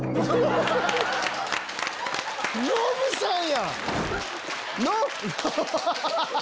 ノブさんや！